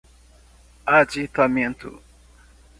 aditamento